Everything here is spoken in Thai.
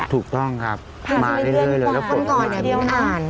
ถูกต้องครับผ่านไปเรื่อยแล้วปุ่นก่อนเนี่ยมีอ่าน